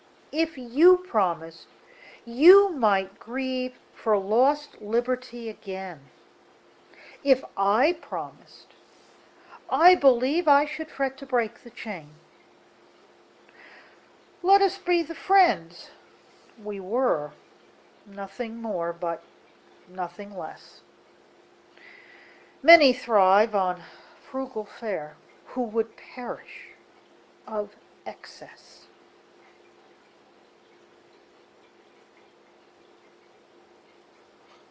If you promised, you might grieveFor lost liberty again:If I promised, I believeI should fret to break the chain. Let us be the friends we were, Nothing more but nothing less:Many thrive on frugal fareWho would perish of excess.